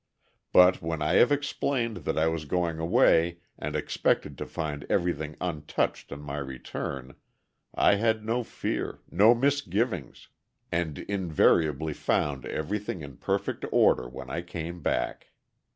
But when I have explained that I was going away and expected to find everything untouched on my return, I had no fear, no misgivings, and invariably found everything in perfect order when I came back.